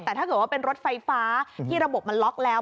แต่ถ้าเกิดว่าเป็นรถไฟฟ้าที่ระบบมันล็อกแล้ว